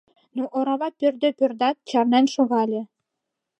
Но орава пӧрдӧ-пӧрдат, чарнен шогале.